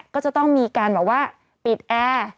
ก็จะต้องมีการปิดแอร์